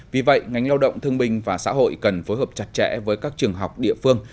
vì vậy ngành lao động thương minh và xã hội cần phối hợp chặt chẽ với các trường học địa phương